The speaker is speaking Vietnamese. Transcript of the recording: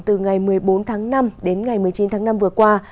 từ ngày một mươi bốn tháng năm đến ngày một mươi chín tháng năm vừa qua